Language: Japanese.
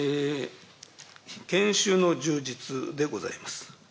研修の充実でございます。